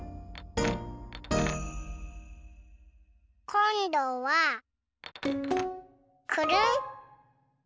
こんどはくるん。